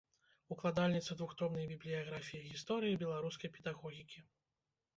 Укладальніца двухтомнай бібліяграфіі гісторыі беларускай педагогікі.